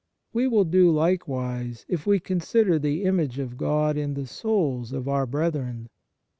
We will do likewise if we consider the image of God in the souls of our brethren.